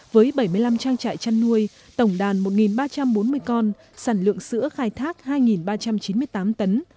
với bảy mươi năm trang trại chăn nuôi tổng đàn một ba trăm bốn mươi con sản lượng sữa khai thác hai ba trăm chín mươi tám tấn